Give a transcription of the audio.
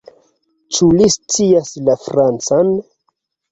Ĉu li scias la Francan?